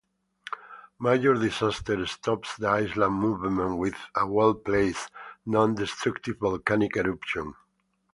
Major Disaster stops the island's movement with a well-placed, non-destructive volcanic eruption.